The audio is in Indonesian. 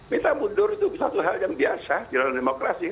minta mundur itu satu hal yang biasa di dalam demokrasi